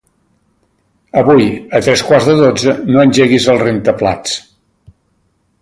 Avui a tres quarts de dotze no engeguis el rentaplats.